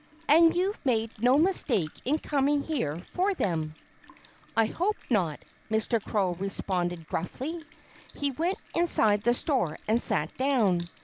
And you've made no mistake in coming here for them." "I hope not," Mr. Crow responded gruffly. He went inside the store and sat down.